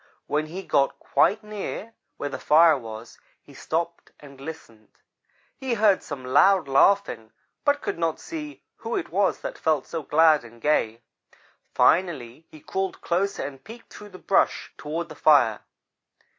When he got quite near where the fire was, he stopped and listened. He heard some loud laughing but could not see who it was that felt so glad and gay. Finally he crawled closer and peeked through the brush toward the fire.